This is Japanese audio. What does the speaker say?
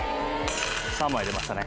３枚出ましたね。